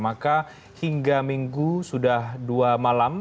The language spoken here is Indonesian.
maka hingga minggu sudah dua malam